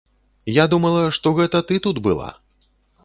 Я думала, што гэта ты тут была.